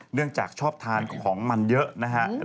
เนื่องจากชอบทานของมันเยอะนะครับ